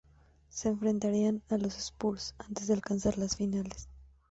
Se enfrentarían a los Spurs antes de alcanzar las finales.